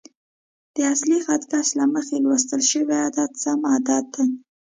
د اصلي خط کش له مخې لوستل شوی عدد سم عدد دی.